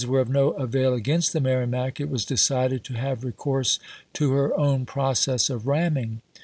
Since guns were of no avail against the Merrimac, it was decided to have recourse to her own process of ramming.